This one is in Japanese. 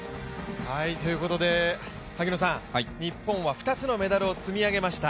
日本は２つのメダルを積み上げました。